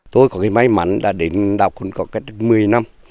tôi có cái may mắn là đến đảo cồn cỏ cách một mươi năm